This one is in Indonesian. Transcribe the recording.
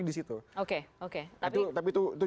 di situ oke oke tapi itu